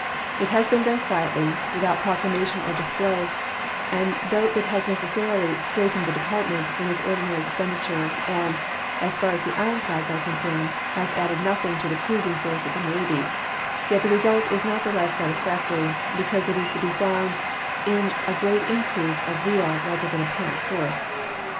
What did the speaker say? It has been done quietly, without proclamation or display, and though it has necessarily straitened the Department in its ordinary expenditure, and, as far as the ironclads are concerned, has added nothing to the cruising force of the Navy, yet the result is not the less satisfactory because it is to be found in a great increase of real rather than apparent force.